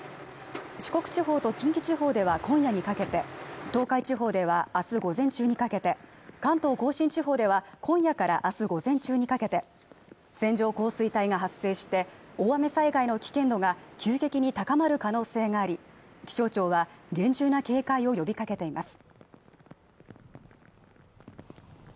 四国地方と近畿地方では今夜にかけて東海地方ではあす午前中にかけて関東甲信地方では今夜からあす午前中にかけて、線状降水帯が発生して大雨災害の危険度が急激に高まる可能性があり、気象庁は厳重な警戒を呼びかけています。